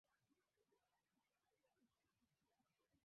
Usipo soma hatuwezi kupata pesa